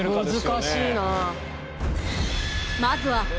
難しいな。